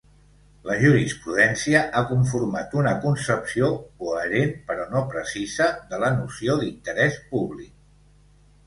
La jurisprudència ha conformat una concepció coherent, però no precisa, de la noció d'interès públic.